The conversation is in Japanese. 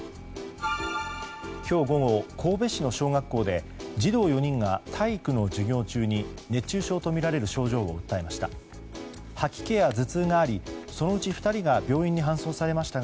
今日午後神戸市の小学校で児童４人が体育の授業中に熱中症とみられる症状を訴えました。